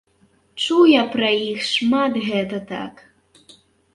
Чуў я пра іх шмат, гэта так.